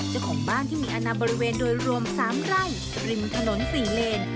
เจ้าของบ้านที่มีอนาบริเวณโดยรวม๓ไร่ริมถนน๔เลน